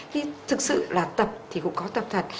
khi thực sự là tập thì cũng có tập thật